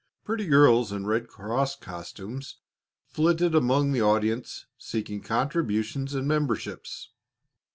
Pretty girls in Red Cross costumes flitted among the audience seeking contributions and memberships.